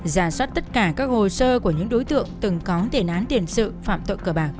giả soát tất cả các hồ sơ của những đối tượng từng có tiền án tiền sự phạm tội cờ bạc